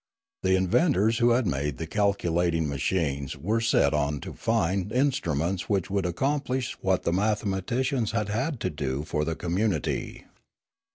The inventors who had made the calculating machines were set on to find instruments which would accomplish what the mathematicians had had to do for the community.